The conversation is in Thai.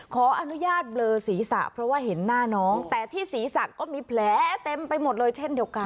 ขออนุญาตเบลอศีรษะเพราะว่าเห็นหน้าน้องแต่ที่ศีรษะก็มีแผลเต็มไปหมดเลยเช่นเดียวกัน